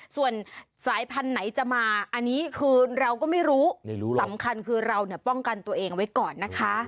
ส่วนสายพันธุ์ไหนจะมาอันนี้คือเราก็ไม่รู้ไม่รู้สำคัญคือเราเนี่ยป้องกันตัวเองไว้ก่อนนะคะ